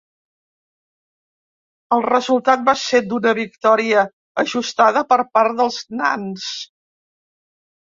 El resultat va ser d'una victòria ajustada per part dels nans.